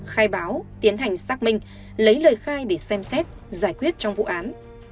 khai báo tiến hành xác minh lấy lời khai để xem xét giải quyết trong vụ án